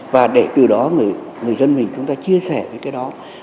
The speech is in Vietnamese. và để từ đó người dân mình chúng ta chia sẻ với cái đó